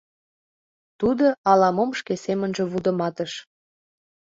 Тудо ала-мом шке семынже вудыматыш.